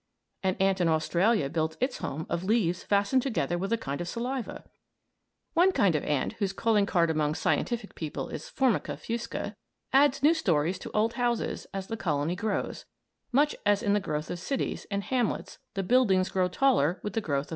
An ant in Australia builds its home of leaves fastened together with a kind of saliva. One kind of ant, whose calling card among scientific people is Formica fusca, adds new stories to old houses as the colony grows; much as in the growth of cities and hamlets the buildings grow taller with the growth of the town.